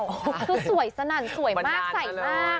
คือสวยสนั่นสวยมากใสมาก